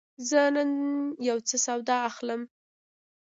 زه نن یوڅه سودا اخلم.